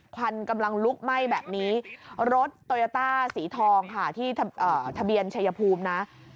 ควันกำลังลุกไหม้แบบนี้รถโตโยต้าสีทองค่ะที่ทะเบียนชัยภูมินะ